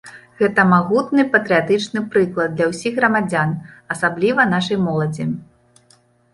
Гэта магутны патрыятычны прыклад для ўсіх грамадзян, асабліва нашай моладзі.